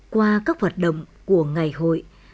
qua các hoạt động của ngày hội